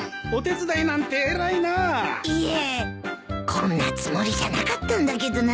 こんなつもりじゃなかったんだけどな